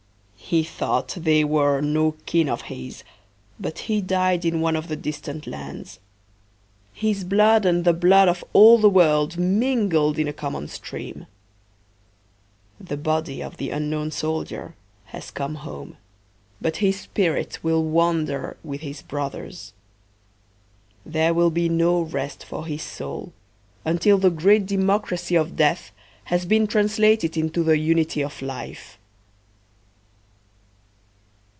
He thought they were no kin of his, but he died in one of the distant lands. His blood and the blood of all the world mingled in a common stream. The body of the unknown soldier has come home, but his spirit will wander with his brothers. There will be no rest for his soul until the great democracy of death has been translated into the unity of life.